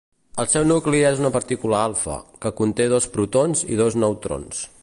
El seu nucli és una partícula alfa, que conté dos protons i dos neutrons.